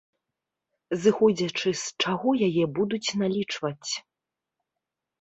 Зыходзячы з чаго яе будуць налічваць?